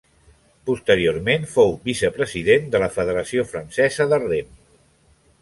Posteriorment fou vicepresident de la Federació Francesa de Rem.